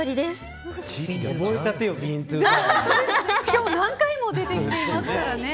今日何回も出てきていますからね。